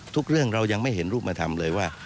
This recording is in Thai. เรื่องเรายังไม่เห็นรูปธรรมเลยว่า